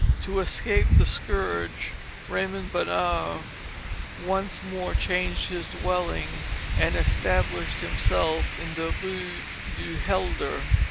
To escape the scourge, Raymond Bonheur once more changed his dwelling and established himself in the Rue du Helder.